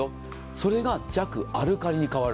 それが弱アルカリに変わる。